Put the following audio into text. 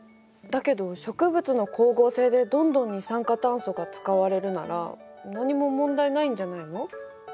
だけど植物の光合成でどんどん二酸化炭素が使われるなら何も問題ないんじゃないの？